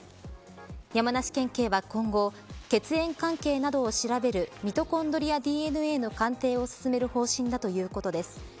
山梨県警は今後血縁関係などを調べるミトコンドリアＤＮＡの鑑定を進める方針だということです。